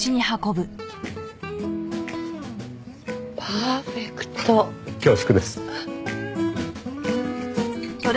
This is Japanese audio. パーフェクト。